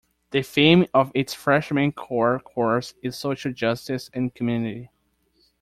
The theme of its freshman core course is "Social Justice and Community".